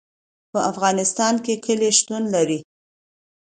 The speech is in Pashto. په افغانستان کې کلي شتون لري.